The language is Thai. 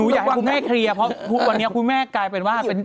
ดูอย่าให้คุณแม่เคลียร์เพราะวันนี้คุณแม่กลายเป็นว่าเป็น